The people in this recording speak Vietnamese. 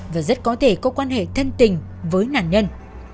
và rất có thể có quan hệ thân tình với nạn nhân